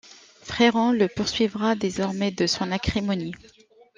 Fréron le poursuivra désormais de son acrimonie.